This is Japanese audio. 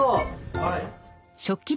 はい。